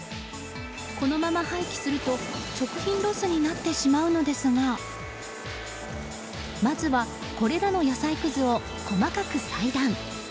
このまま廃棄すると食品ロスになってしまうのですがまずは、これらの野菜くずを細かく裁断。